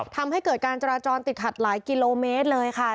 ทำให้เกิดการจราจรติดขัดหลายกิโลเมตรเลยค่ะ